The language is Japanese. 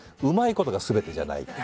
うまいことがすべてじゃない。